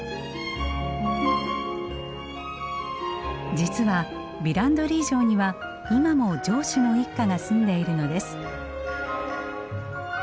実はヴィランドリー城には今も城主の一家が住んでいるのです。